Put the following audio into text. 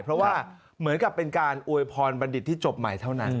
เพราะว่าเหมือนกับเป็นการอวยพรบัณฑิตที่จบใหม่เท่านั้น